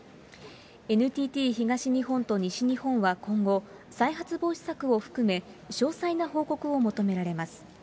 ＮＴＴ東日本と西日本は今後、再発防止策を含め、詳細な報告を求められます。